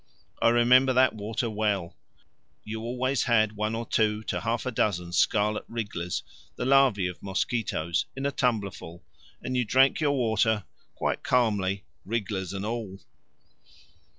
I remember that water well: you always had one or two to half a dozen scarlet wrigglers, the larvae of mosquitoes, in a tumblerful, and you drank your water, quite calmly, wrigglers and all!